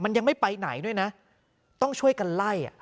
มันยังไม่ไปไหนด้วยนะต้องช่วยกันไล่